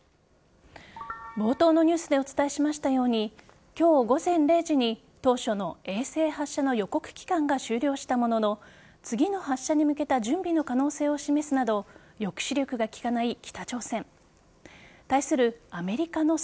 冒頭のニュースでお伝えしましたように今日午前０時に当初の衛星発射の予告期間が終了したものの次の発射に向けた準備の可能性を示すなど抑止力が効かない北朝鮮。